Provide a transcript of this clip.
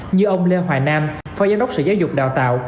như ông lê hoài nam phó giám đốc sở giáo dục đào tạo